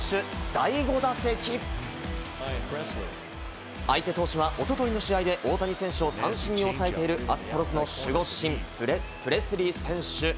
第５打席、相手投手は、おとといの試合で大谷選手を三振に抑えているアストロズの守護神・プレスリー選手。